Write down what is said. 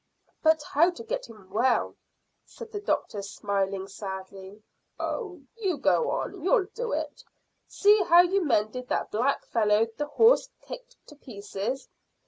"But how to get him well?" said the doctor, smiling sadly. "Oh, you go on; you'll do it. See how you mended that black fellow the horse kicked to pieces.